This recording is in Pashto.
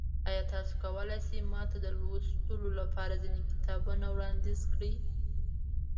ایا تاسو کولی شئ ما ته د لوستلو لپاره ځینې کتابونه وړاندیز کړئ؟